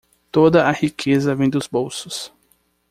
Toda a riqueza vem dos bolsos.